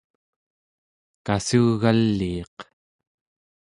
kassugaliiq